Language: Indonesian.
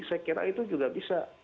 saya kira itu juga bisa